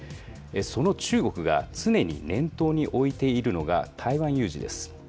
その中国が、常に念頭に置いているのが台湾有事です。